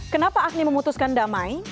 kenapa agni memutuskan damai